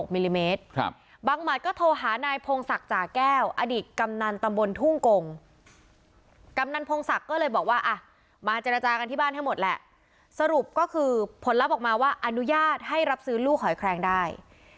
มาเจรจากันที่บ้านทั้งหมดแหละสรุปก็คือผลลับออกมาว่าอนุญาตให้รับซื้อลูกหอยแครงได้